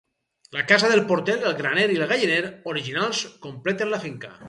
La casa del porter, el graner i el galliner originals completen la finca.